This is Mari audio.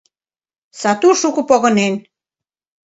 Сату шуко погынен.